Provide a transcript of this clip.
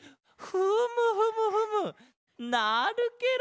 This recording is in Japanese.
フムフムフムなるケロ！